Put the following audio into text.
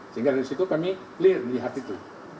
sehingga dari situ kami clear melihat itu